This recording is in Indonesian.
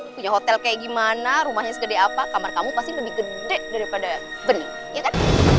punya hotel kayak gimana rumahnya segede apa kamar kamu pasti lebih gede daripada benih ya kan